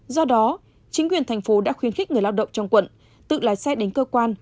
do đó chính quyền thành phố đã khuyến khích người lao động trong quận tự lái xe đến cơ quan